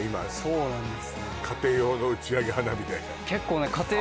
そうなんです